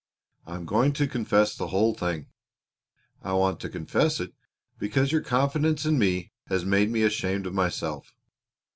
I am going to confess the whole thing; I want to confess it because your confidence in me has made me ashamed of myself.